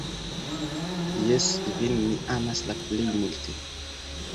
Jes, vin mi amas la plej multe!